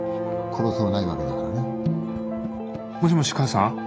もしもし母さん？